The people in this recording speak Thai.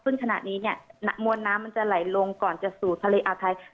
ซึ่งขณะนี้เนี่ยมวลน้ำมันจะไหลลงก่อนจะสู่ทะเลอาวไทย